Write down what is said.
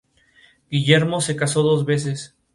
Guillermo se casó dos veces.